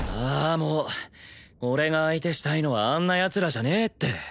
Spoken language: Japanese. もう俺が相手したいのはあんなヤツらじゃねえって！